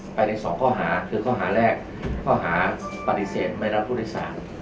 ภายในสองข้อหาคือข้อหาแรกข้อหาปฏิเสธไม่รับผู้โดยสาร